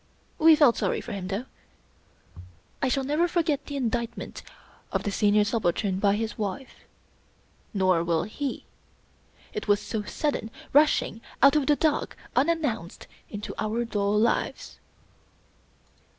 We felt sorry for him, though. I shall never forget the indictment of the Senior Subal tern by his wife. Nor will he. It was so sudden, rushing out of the dark, unannounced, into our dull lives.